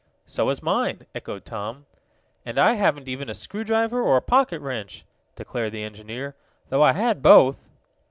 "So is mine," echoed Tom. "And I haven't even a screwdriver, or a pocket wrench," declared the engineer, "though I had both."